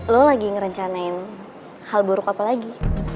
lo lagi ngerencanain hal buruk apa lagi